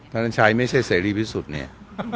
ท่านชัยไม่ใช่เสรีพิสุทธิ์เนี่ย